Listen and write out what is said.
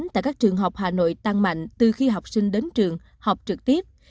tại các trường học hà nội tăng mạnh từ khi học sinh đến trường học trực tiếp